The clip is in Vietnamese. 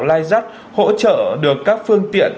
lai rắt hỗ trợ được các phương tiện